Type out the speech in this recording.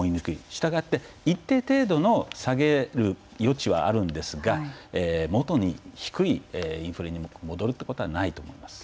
従って一定程度の下げる余地はあるんですがもとの低いインフレに戻るという可能性はないと思います。